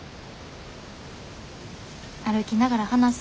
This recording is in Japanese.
歩きながら話す？